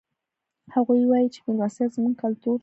هغوی وایي چې مېلمستیا زموږ کلتور ده